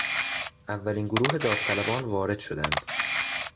اولین گروه داوطلبان وارد شدند.